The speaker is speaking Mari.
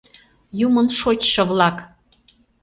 Юмын шочшо-влак!..